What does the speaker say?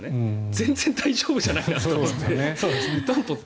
全然大丈夫じゃないなと思って。